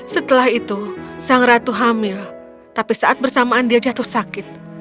setelah itu sang ratu hamil tapi saat bersamaan dia jatuh sakit